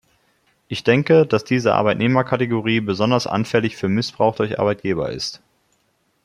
Ich denke, dass diese Arbeitnehmerkategorie besonders anfällig für Missbrauch durch Arbeitgeber ist.